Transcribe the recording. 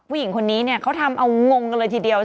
ผู้หญิงคนนี้เนี่ยเขาทำเอางงกันเลยทีเดียว